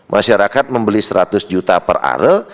masyarakat membeli seratus juta per are